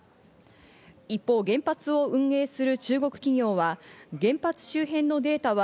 一方、原発を運営する中国企業は原発周辺のデータは